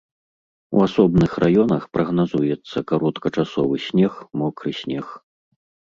У асобных раёнах прагназуецца кароткачасовы снег, мокры снег.